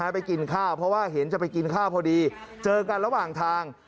เพราะว่าเห็นจะไปกินข้าวพอดีเจอกันระหว่างทาง